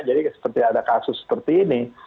jadi seperti ada kasus seperti ini